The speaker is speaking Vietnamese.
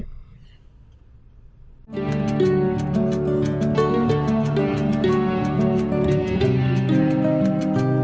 hãy đăng ký kênh để ủng hộ kênh của mình nhé